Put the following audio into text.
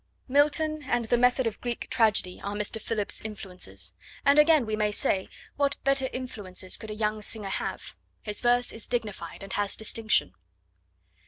Milton, and the method of Greek tragedy are Mr. Phillips's influences, and again we may say, what better influences could a young singer have? His verse is dignified, and has distinction.